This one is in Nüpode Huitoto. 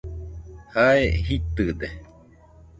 Jae jitɨde